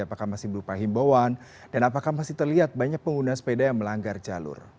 apakah masih berupa himbauan dan apakah masih terlihat banyak pengguna sepeda yang melanggar jalur